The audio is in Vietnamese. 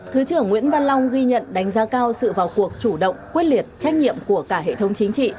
thứ trưởng nguyễn văn long ghi nhận đánh giá cao sự vào cuộc chủ động quyết liệt trách nhiệm của cả hệ thống chính trị